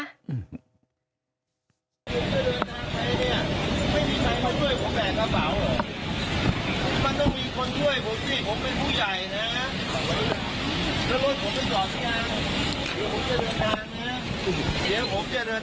ผมจะเดินทางไปเนี่ยไม่มีใครมาช่วยผมแบกกระเป๋ามันต้องมีคนช่วยผมสิผมเป็นผู้ใหญ่นะ